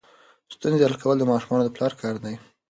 ستونزې حل کول د ماشومانو د پلار کار دی.